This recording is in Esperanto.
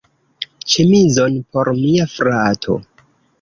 Ĉemizon por mia frato.